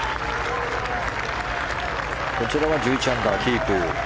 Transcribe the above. こちらは１１アンダーキープ。